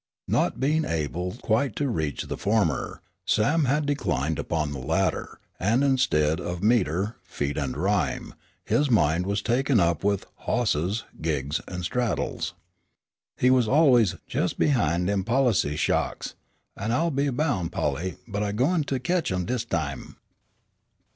Not being able quite to reach the former, Sam had declined upon the latter, and, instead of meter, feet and rhyme, his mind was taken up with "hosses," "gigs" and "straddles." He was always "jes' behin' dem policy sha'ks, an' I'll be boun', Polly, but I gwine to ketch 'em dis time."